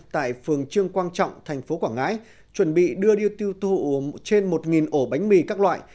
tại phường trương quang trọng tp quảng ngãi chuẩn bị đưa điêu tiêu thụ trên một ổ bánh mì các loại